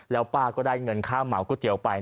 แล้วป้าก็ได้เงินค่าเหมาก๋วยเตี๋ยวไป